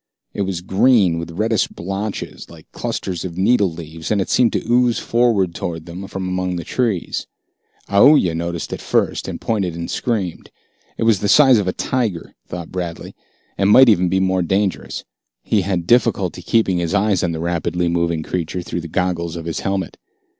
It was green, with reddish blotches like clusters of needle leaves, and it seemed to ooze forward toward them from among the trees. Aoooya noticed it first, and pointed and screamed. It was the size of a tiger, thought Bradley, and might be even more dangerous. He had difficulty keeping his eyes on the rapidly moving creature through the goggles of his helmet.